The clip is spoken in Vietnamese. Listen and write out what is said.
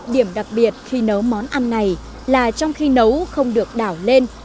điểm đặc biệt khi nấu món ăn này là trong khi nấu không được đảo lên